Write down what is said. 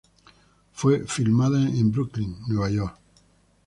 Fue filmada en Brooklyn, Nueva York.